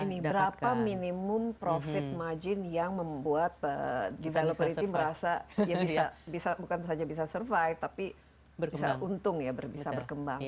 nah ini berapa minimum profit margin yang membuat developer ini merasa ya bisa bukan saja bisa survive tapi bisa berkembang